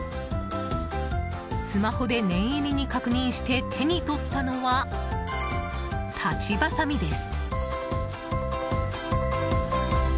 スマホで念入りに確認して手に取ったのは、たちばさみです。